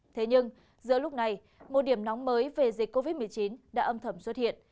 thế nhưng giữa lúc này một điểm nóng mới về dịch covid một mươi chín đã âm thầm xuất hiện